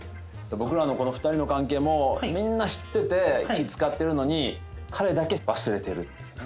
僕らのこの２人の関係もみんな知ってて気使ってるのに彼だけ忘れてるっていうね。